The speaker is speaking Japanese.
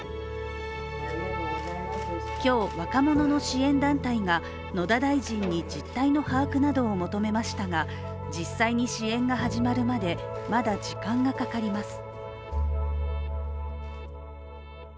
今日、若者の支援団体が野田大臣に実態の把握などを求めましたが実際に支援が始まるまで、まだ時間がかかります。